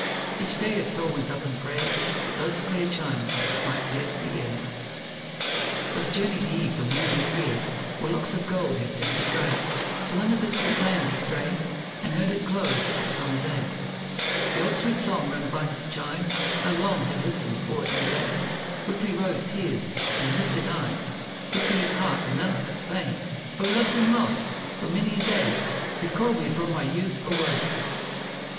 Each day his soul went up in prayer That those clear chimes might pierce the air! Thus journeyed he for many a year While locks of gold had turned to grey Till in a distant land he strayed And heard at close of summer day The old sweet song rung by his chime He long had listened for in vain! Quickly rose tears in lifted eyes, Quickly his heart renounced its pain! "O loved and lost! for many a day You've called me from my youth away!"